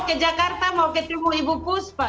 nono ke jakarta mau ketemu ibu kuspa